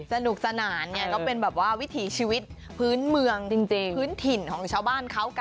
สนุกสนานเนี่ยก็เป็นแบบวิถีชีวิตพื้นเมืองพื้นถิ่นของชาวบ้านเขา